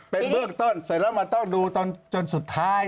เป็นเบื้องต้นใส่แล้วมาต้องดูจนสุดท้าย